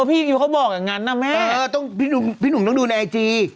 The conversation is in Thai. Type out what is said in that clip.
พี่เขาบอกอย่างงั้นนะแม่เออต้องพี่หนุ่มพี่หนุ่มต้องดูในไอจี